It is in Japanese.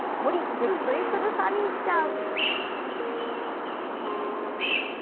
熟睡するサニーちゃん。